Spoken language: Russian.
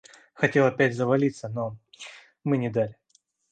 Хотел опять завалиться, но мы не дали.